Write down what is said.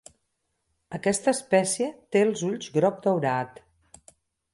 Aquesta espècie té els ulls groc daurat.